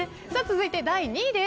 続いて第２位。